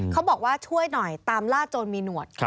เขาบอกว่าช่วยหน่อยตามล่าโจรมีหนวด